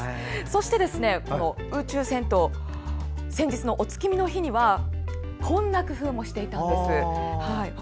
そして、この宇宙銭湯先日、お月見の日にはこんな工夫もしていたんです。